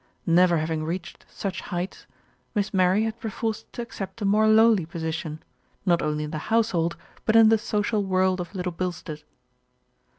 Never having reached such heights, Miss Mary had perforce to accept a more lowly position, not only in the household, but in the social world of Little Bilstead.